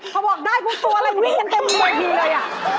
พอบอกได้กูตัวอะไรวิ่งกันเต็มเวทีเลย